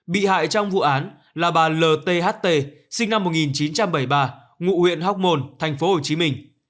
bị hại trong vụ án là bà l t h t sinh năm một nghìn chín trăm bảy mươi ba ngụ huyện hóc môn thành phố hồ chí minh